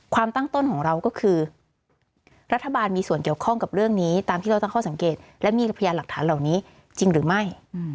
ตั้งต้นของเราก็คือรัฐบาลมีส่วนเกี่ยวข้องกับเรื่องนี้ตามที่เราตั้งข้อสังเกตและมีพยานหลักฐานเหล่านี้จริงหรือไม่